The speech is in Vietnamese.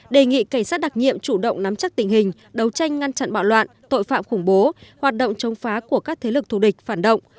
đề nghị cảnh sát đặc nhiệm chủ động nắm chắc tình hình đấu tranh ngăn chặn bạo loạn tội phạm khủng bố hoạt động chống phá của các thế lực thù địch phản động